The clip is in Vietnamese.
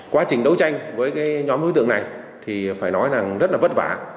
quá trình đấu tranh với cái nhóm đối tượng này thì phải nói là rất là vất vả